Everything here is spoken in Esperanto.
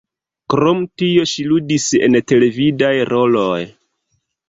Krom tio ŝi ludis en televidaj roloj.